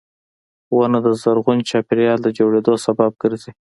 • ونه د زرغون چاپېریال د جوړېدو سبب ګرځي.